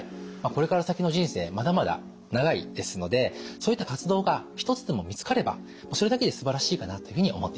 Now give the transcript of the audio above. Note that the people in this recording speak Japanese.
これから先の人生まだまだ長いですのでそういった活動が１つでも見つかればそれだけですばらしいかなというふうに思っています。